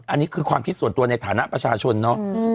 อันนี้คือความคิดส่วนตัวในฐานะประชาชนเนาะ